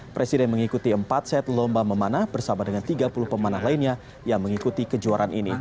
presiden mengikuti empat set lomba memanah bersama dengan tiga puluh pemanah lainnya yang mengikuti kejuaraan ini